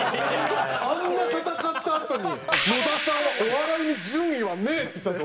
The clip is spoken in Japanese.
あんな戦ったあとに野田さんは「お笑いに順位はねえ！」って言ったんですよ